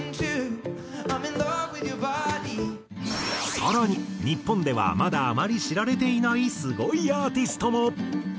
更に日本ではまだあまり知られていないすごいアーティストも。